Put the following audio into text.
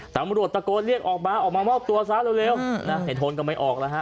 ตำรวจตะโกนเรียกออกมาออกมามอบตัวซะเร็วในโทนก็ไม่ออกแล้วฮะ